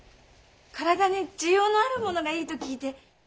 体に滋養のあるものがいいと聞いて。